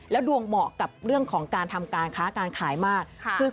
ดวงเหมาะกับเรื่องของการทำการค้าการขายมาก